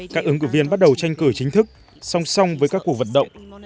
các ứng cử viên bắt đầu tranh cử chính thức song song với các cuộc vận động